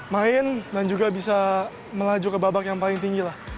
main dan juga bisa melaju ke babak yang paling tinggi lah